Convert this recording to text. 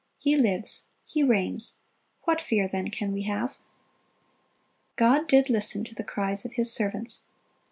He lives, He reigns; what fear, then, can we have?"(312) God did listen to the cries of His servants.